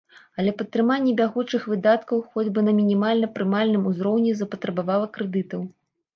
Але падтрыманне бягучых выдаткаў хоць бы на мінімальна прымальным узроўні запатрабавала крэдытаў.